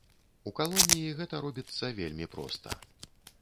У калоніі гэта робіцца вельмі проста.